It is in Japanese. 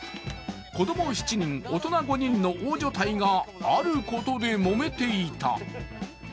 子供７人、大人５人の大所帯があることでもめていた。